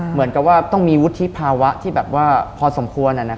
เหมือนกับว่าต้องมีวุฒิภาวะที่แบบว่าพอสมควร